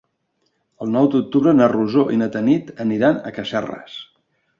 El nou d'octubre na Rosó i na Tanit aniran a Casserres.